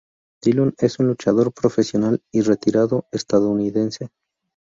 Dillon, es un luchador profesional y retirado estadounidense.